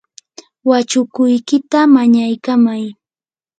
wachukuykita mañaykamay.